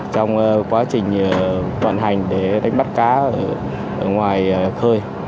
trong quá trình vận hành để đánh bắt cá ở ngoài khơi